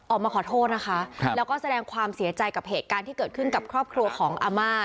ออกมาขอโทษนะคะแล้วก็แสดงความเสียใจกับเหตุการณ์ที่เกิดขึ้นกับครอบครัวของอาม่า